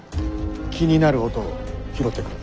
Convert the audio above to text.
気になる音を拾ってくれ。